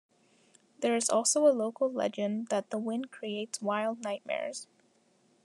There is also a local legend that the wind creates wild nightmares.